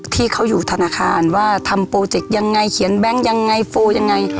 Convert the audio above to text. ที่เขาอยู่ธนาคารว่าทำโปรเจกต์ยังไงเขียนแบงค์ยังไงโฟลยังไง